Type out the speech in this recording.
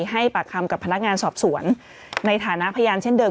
ให้ปากคำกับพนักงานสอบสวนในฐานะพยานเช่นเดิ